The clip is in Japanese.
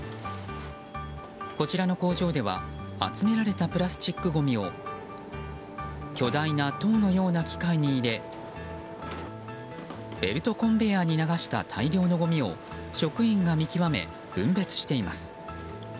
こちらの工場では集められたプラスチックごみを巨大な塔のような機械に入れベルトコンベヤーに流した大量のごみを職員が見極め分別しています。